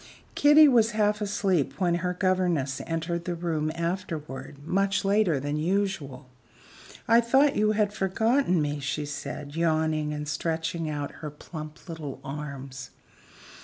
Kitty was half asleep when her governess entered the room afterward, much later than usual. "I thought you had forgotten me," she said, yawning and stretching out her plump little arms.